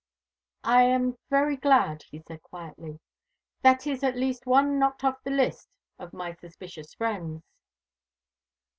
"I am very glad," he said quietly. "That is at least one knocked off the list of my suspicious friends."